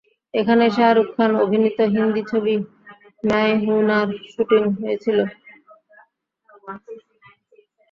এখানেই শাহরুখ খান অভিনীত হিন্দি ছবি ম্যায় হুঁ নার শুটিং হয়েছিল।